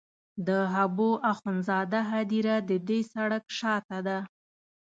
د حبو اخند زاده هدیره د دې سړک شاته ده.